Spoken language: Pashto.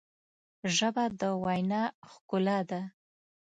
ژبه د وینا ښکلا ده